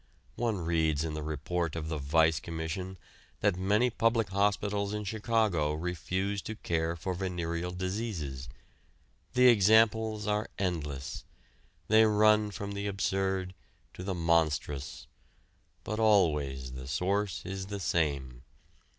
One reads in the report of the Vice Commission that many public hospitals in Chicago refuse to care for venereal diseases. The examples are endless. They run from the absurd to the monstrous. But always the source is the same.